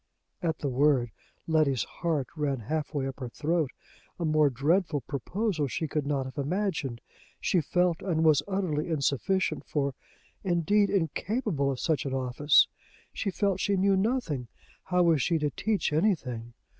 At the word, Letty's heart ran half way up her throat. A more dreadful proposal she could not have imagined. She felt, and was, utterly insufficient for indeed, incapable of such an office. She felt she knew nothing: how was she to teach anything?